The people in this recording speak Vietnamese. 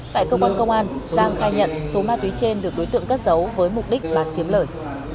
tại cơ quan công an giang khai nhận số ma túy trên được đối tượng cất giấu với mục đích bán kiếm lời